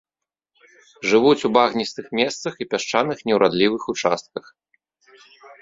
Жывуць у багністых месцах і пясчаных неўрадлівых участках.